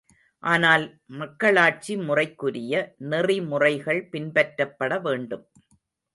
ஆனால், மக்களாட்சி முறைக்குரிய நெறி முறைகள் பின்பற்றப்பட வேண்டும்.